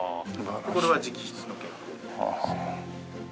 これは直筆の原稿になってます。